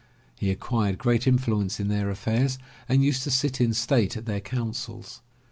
He acquired great influence in their affairs and used to sit in state at their councils.